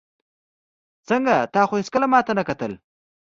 ځکه تا خو هېڅکله ماته نه کتل.